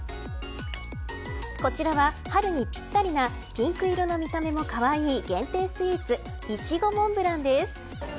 こちらは、春にぴったりなピンク色の見た目もかわいい限定スイーツイチゴモンブランです。